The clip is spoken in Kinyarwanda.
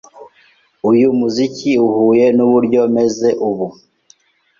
Uyu muziki uhuye nuburyo meze ubu.